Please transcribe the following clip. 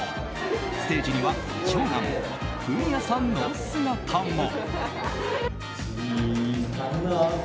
ステージには長男・文哉さんの姿も。